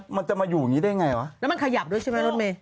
มันจะมาอยู่เงี้ยได้ยังไงเดี๋ยวมันขยับด้วยใช่ปะแล้วมันมี